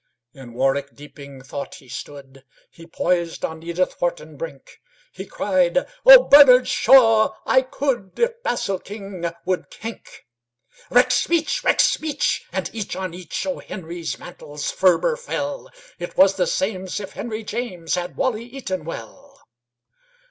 In warwick deeping thought he stood He poised on edithwharton brink; He cried, "Ohbernardshaw! I could If basilking would kink." Rexbeach! rexbeach! and each on each O. Henry's mantles ferber fell. It was the same'sif henryjames Had wally eaton well.